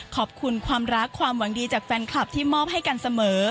ขอบคุณความรักความหวังดีจากแฟนคลับที่มอบให้กันเสมอ